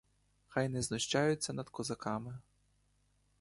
Хай не знущаються над козаками.